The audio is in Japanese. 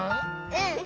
うん！